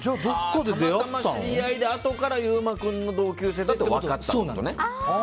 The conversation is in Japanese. たまたま知り合いであとから優馬君の同級生だって分かったってことね。